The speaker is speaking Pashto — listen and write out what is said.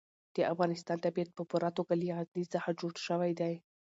د افغانستان طبیعت په پوره توګه له غزني څخه جوړ شوی دی.